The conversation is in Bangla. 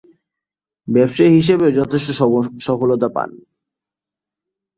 ব্যবসায়ী হিসেবেও যথেষ্ট সফলতা পান।